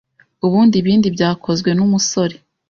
Ubundi ibindi byakozwe n’umusore,